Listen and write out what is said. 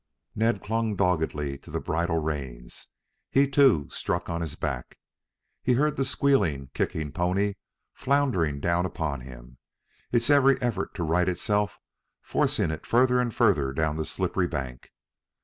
But Ned clung doggedly to the bridle reins. He, too, struck on his back. He heard the squealing, kicking pony floundering down upon him, its every effort to right itself forcing it further and further down the slippery bank.